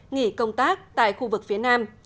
nghỉ công tác tại khu vực phía nam